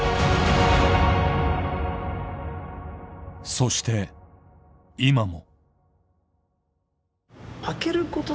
そして、今も。